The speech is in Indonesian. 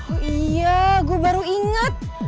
oh iya gue baru ingat